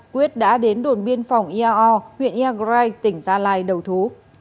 quyết đã đến đồn biên phòng eao huyện eagray tỉnh gia lai đầu thú